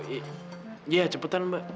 iya cepetan mbak